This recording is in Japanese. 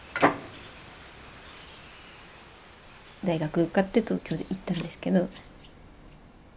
大学受かって東京へ行ったんですけど。